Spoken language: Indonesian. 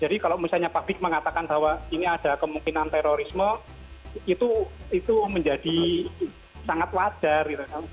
jadi kalau misalnya pak big mengatakan bahwa ini ada kemungkinan terorisme itu menjadi sangat wajar